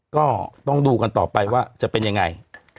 ก็ต้องดูกันต่อไปว่าจะเป็นยังไง